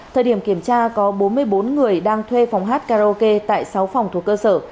thời điểm kiểm tra có bốn mươi bốn người đang thuê phòng hát karaoke tại sáu phòng thuộc cơ sở